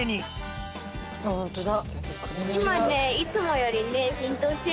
あっホントだ。